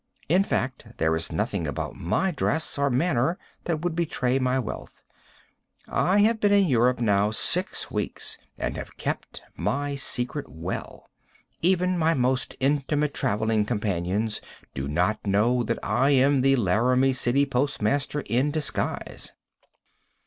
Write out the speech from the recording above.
In fact there is nothing about my dress or manner that would betray my wealth. I have been in Europe now six weeks and have kept my secret well. Even my most intimate traveling companions do not know that I am the Laramie City postmaster in disguise.